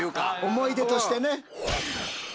思い出としてね！